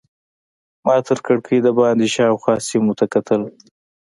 ما تر کړکۍ دباندې شاوخوا سیمو ته کتل.